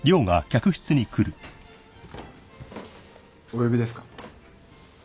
お呼びですか？